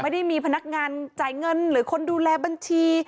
ไม่ได้มีพนักงานจ่ายเงินหรือคนดูแลบัญชี